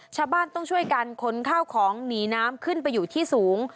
ชาวบ้านต้องช่วยกันขนข้าวของหนีน้ำขึ้นไปอยู่ที่สูง